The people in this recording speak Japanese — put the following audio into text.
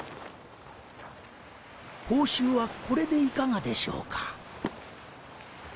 報酬はこれでいかがでしょうか？